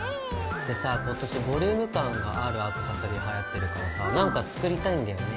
でさ今年ボリューム感があるアクセサリーがはやってるからさ何か作りたいんだよね。